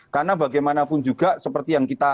karena bagaimanapun juga seperti yang